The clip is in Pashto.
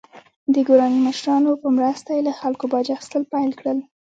د ګوراني مشرانو په مرسته یې له خلکو باج اخیستل پیل کړل.